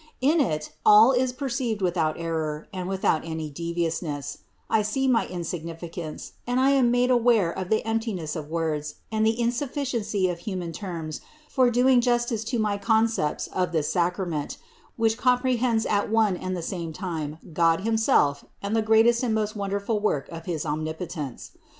In it all is per ceived without error and without any deviousness ; I see my insignificance and I am made aware of the empti ness of words and the insufficiency of human terms for doing justice to my concepts of this sacrament, which comprehends at one and the same time God himself and the greatest and most wonderful work of his Omnipo tence.